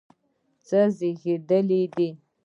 څخه زیږیدلی دی